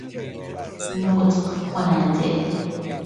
نطق کننده